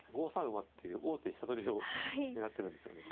馬っていう王手飛車取りを狙ってるんですよね。